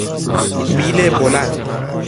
بیل بلند